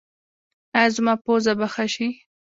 ایا زما پوزه به ښه شي؟